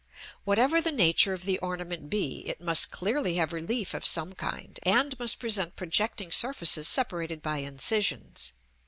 Whatever the nature of the ornament be, it must clearly have relief of some kind, and must present projecting surfaces separated by incisions.